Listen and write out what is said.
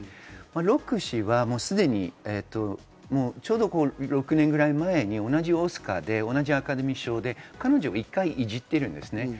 ロック氏はすでに６年ぐらい前に同じオスカーで、同じアカデミー賞で彼女を１回いじっています。